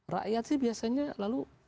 rakyat sih biasanya lalu